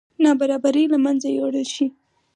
نابرابرۍ له منځه یوړل شي.